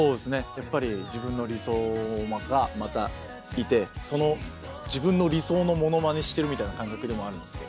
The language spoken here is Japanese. やっぱり自分の理想がまたいてその自分の理想のモノマネしてるみたいな感覚でもあるんですけど。